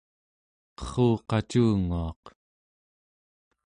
qerruqacunguaq